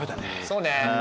そうね。